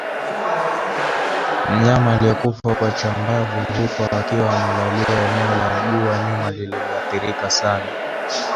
Mnyama aliyekufa kwa chambavu hufa akiwa amelalia eneo la mguu wa nyuma lililoathirika sana